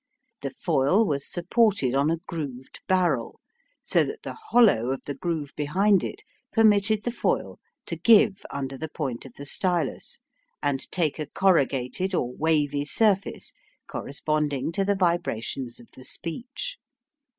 The foil was supported on a grooved barrel, so that the hollow of the groove behind it permitted the foil to give under the point of the stylus, and take a corrugated or wavy surface corresponding to the vibrations of the speech.